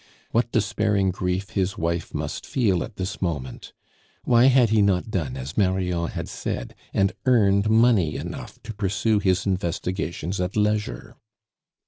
What despairing grief his wife must feel at this moment! Why had he not done as Marion had said, and earned money enough to pursue his investigations at leisure?